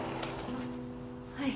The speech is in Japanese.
あっはい